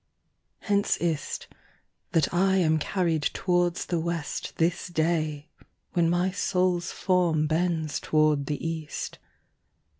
Hence is't, that I am carryed towards the WestThis day, when my Soules forme bends toward the East.